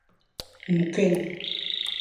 Nkeng!